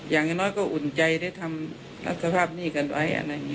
อย่างน้อยก็อุ่นใจที่ทำรับสภาพหนี้กันไว้